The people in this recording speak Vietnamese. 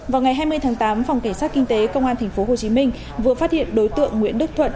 vào ngày hai mươi tháng tám phòng cảnh sát kinh tế công an tp hcm vừa phát hiện đối tượng nguyễn đức thuận